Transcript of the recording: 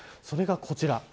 それがこちら。